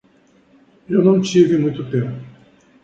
Eu não tive muito tempo.